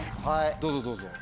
どうぞどうぞ。